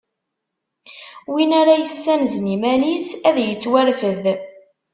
Win ara yessanzen iman-is ad ittwarfed.